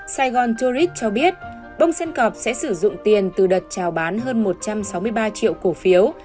sài gòn tourist cho biết bông sen corp sẽ sử dụng tiền từ đợt trao bán hơn một trăm sáu mươi ba triệu cổ phiếu